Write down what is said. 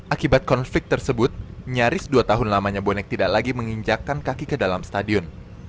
akibat konflik tersebut nyaris dua tahun lamanya bonek tidak lagi menginjakkan kaki ke dalam stadion